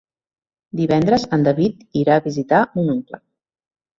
Divendres en David irà a visitar mon oncle.